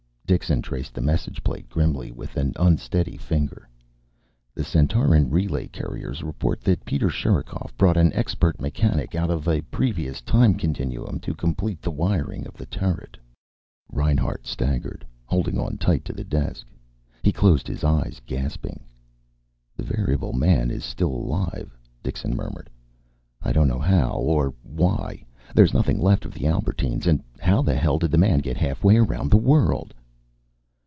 Dixon traced the message plate grimly, with an unsteady finger. "The Centauran relay couriers reported that Peter Sherikov brought an expert mechanic out of a previous time continuum to complete the wiring of the turret!" Reinhart staggered, holding on tight to the desk. He closed his eyes, gasping. "The variable man is still alive," Dixon murmured. "I don't know how. Or why. There's nothing left of the Albertines. And how the hell did the man get half way around the world?"